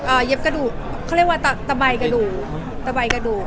เย็บกระดูกเขาเรียกว่าตะใบกระดูกตะใบกระดูก